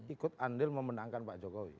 ikut andil memenangkan pak jokowi